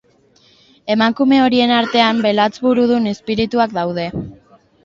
Emakume horien artean, belatz burudun izpirituak daude.